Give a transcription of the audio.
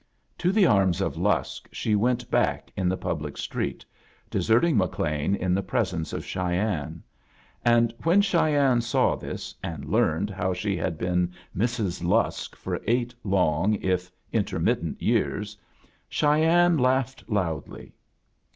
To the arms of Lusk she went tJfi back in the public street, deserting McLean ^ in the presence of Cheyenne; and when Cheyenne saw this, and learned how she had been Hrs. Ltafc for eight long, if in termittent, years, Cheyenne laughed loud ly.